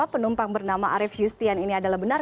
penumpang bernama arief justian ini adalah benar